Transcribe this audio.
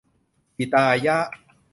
หิตายะ